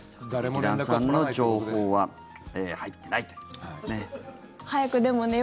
劇団さんの情報は入ってないということですね。